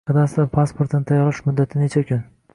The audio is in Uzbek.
Kadastr pasportini tayyorlash muddati necha kun?